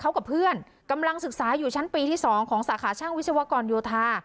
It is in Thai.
เขากับเพื่อนกำลังศึกษาอยู่ชั้นปีที่๒ของสาขาช่างวิศวกรโยธา